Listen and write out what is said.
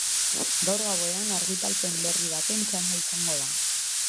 Gaur gauean argitalpen berri baten txanda izango da.